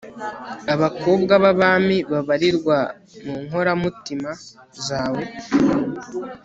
abakobwa b'abami babarirwa mu nkoramutima zawe